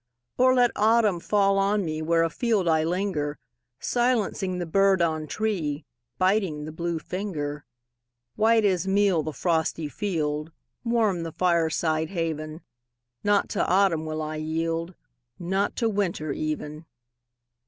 Or let autumn fall on me Where afield I linger, Silencing the bird on tree, Biting the blue finger. White as meal the frosty field Warm the fireside haven Not to autumn will I yield, Not to winter even!